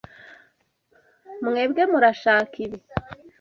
Mwebwe murashaka ibi?